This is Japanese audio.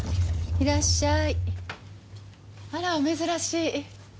あらお珍しい。